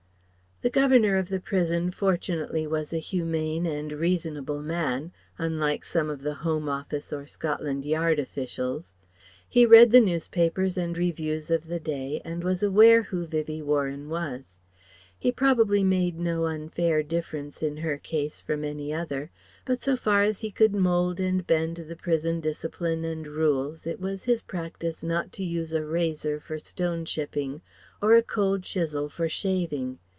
The Governor of the prison fortunately was a humane and reasonable man unlike some of the Home Office or Scotland Yard officials. He read the newspapers and reviews of the day and was aware who Vivie Warren was. He probably made no unfair difference in her case from any other, but so far as he could mould and bend the prison discipline and rules it was his practice not to use a razor for stone chipping or a cold chisel for shaving.